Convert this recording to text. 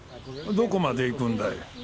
どこまで行くんだい？